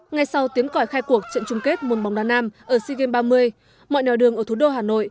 ngay sau tiến cõi khai cuộc trận chung kết môn bóng đá nam ở sea games ba mươi mọi nẻo đường ở thủ đô hà nội